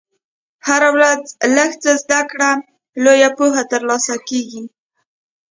هره ورځ لږ څه زده کړه، لویه پوهه ترلاسه کېږي.